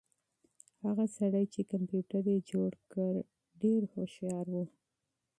هغه سړی چې کمپیوټر یې جوړ کړ ډېر هوښیار و.